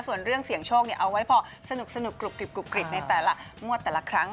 ส่วนเรื่องเสี่ยงโชคเอาไว้พอสนุกกรุบกริบในแต่ละงวดแต่ละครั้ง